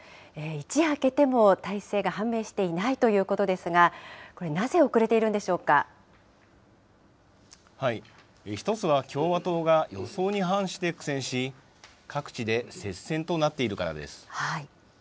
一夜明けても大勢が判明していないということですが、これ、なぜ１つは共和党が予想に反して苦戦し、各地で接戦となっているからです。